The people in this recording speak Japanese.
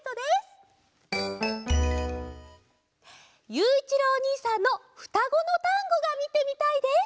ゆういちろうおにいさんの「ふたごのタンゴ」がみてみたいです！